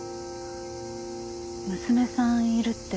娘さんいるって。